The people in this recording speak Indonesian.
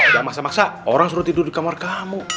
gak masamaksa orang suruh tidur di kamar kamu